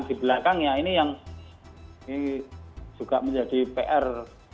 di belakang ini juga menjadi pr